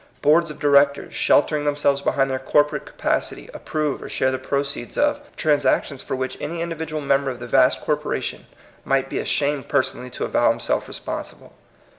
Boards of directois, sheltering themselves behind their corporate capacity, approve, or share the proceeds of, transac tions for which any individual member of the vast corporation might be ashamed per sonally to avow himself responsible.